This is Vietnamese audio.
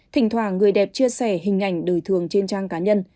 thỉnh thoả người đẹp chia sẻ hình ảnh đời thường trên trang cá nhân